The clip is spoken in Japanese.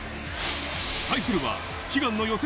対するは悲願の予選